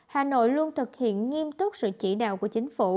hà nội luôn thực hiện nghiêm túc sự chỉ đạo của chính phủ